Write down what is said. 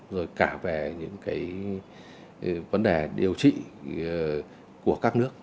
rồi cả về những cái vấn đề điều trị của các nước